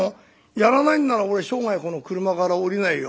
やらないんなら俺生涯この俥から降りないよ。